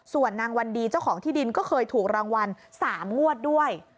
ส่วนนางวันดีเจ้าของที่ดินก็เคยถูกรางวัล๓งวดด้วย